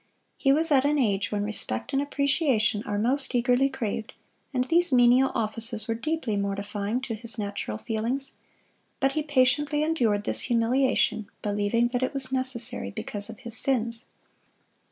He was at an age when respect and appreciation are most eagerly craved, and these menial offices were deeply mortifying to his natural feelings; but he patiently endured this humiliation, believing that it was necessary because of his sins.